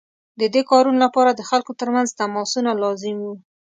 د دې کارونو لپاره د خلکو ترمنځ تماسونه لازم وو.